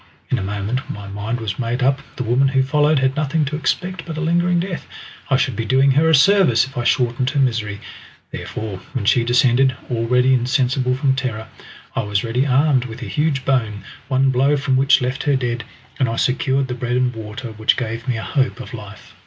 In a moment my mind was made up, the woman who followed had nothing to expect but a lingering death; I should be doing her a service if I shortened her misery. Therefore when she descended, already insensible from terror, I was ready armed with a huge bone, one blow from which left her dead, and I secured the bread and water which gave me a hope of life.